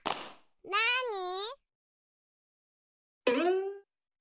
なに？